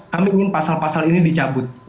kami ingin pasal pasal ini dicabut